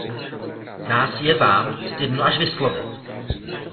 Nás je vám, stydno až vyslovit!